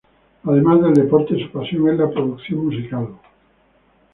Además del deporte, su pasión es la producción musical.